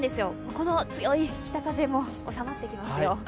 この強い北風も収まってきますよ。